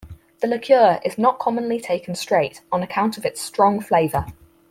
The liqueur is not commonly taken straight on account of its strong flavour.